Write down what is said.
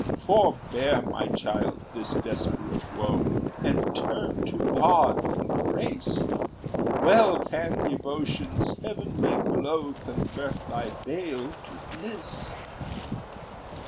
"Forbear, my child, this desperate woe, And turn to God and grace; Well can devotion's heavenly glow Convert thy bale to bliss."